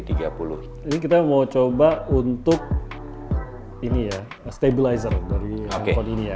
ini kita mau coba untuk stabilizer dari handphone ini ya